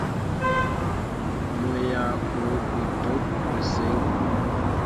Mo yah ɓu gbǝ dǝɓ ge sǝŋ.